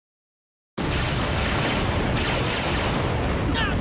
あっ！